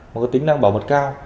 một cái tính năng bảo mật cao